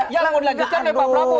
yang melanjutkan pak prabowo